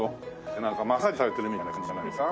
なんかマッサージされてるみたいな感じじゃないですか？